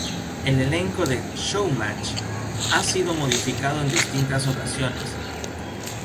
El elenco de "Showmatch" ha sido modificado en distintas ocasiones.